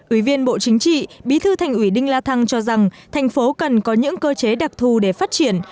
ủy viên bộ chính trị bí thư thành ủy đinh la thăng cho rằng thành phố cần có những cơ chế đặc thù để phát triển